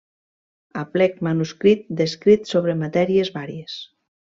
Aplec manuscrit d’escrits sobre matèries vàries.